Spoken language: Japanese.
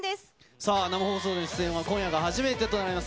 さあ、生放送の出演は今夜が初めてとなります、